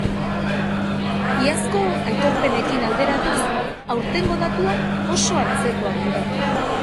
Iazko aitorpenekin alderatuz, aurtengo datuak oso antzekoak dira.